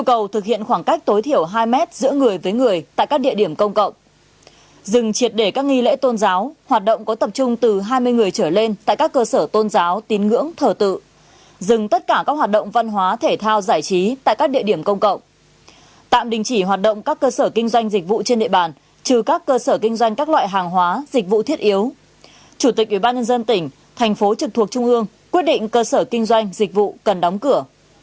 chủ tịch ủy ban nhân dân tỉnh thành phố trực thuộc trung ương quyết định cơ sở kinh doanh dịch vụ cần đóng cửa